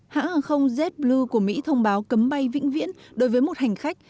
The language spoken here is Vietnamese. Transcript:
hãng hàng không jeblue của mỹ thông báo cấm bay vĩnh viễn đối với một hành khách